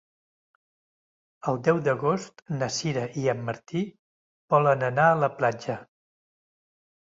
El deu d'agost na Sira i en Martí volen anar a la platja.